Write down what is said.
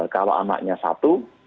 kalau anaknya satu